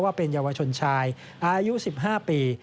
ว่าเป็นเยาวชนชายอายุ๑๕ปี